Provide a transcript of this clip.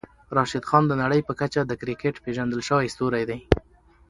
راشدخان د نړۍ په کچه د کريکيټ پېژندل شوی ستوری دی.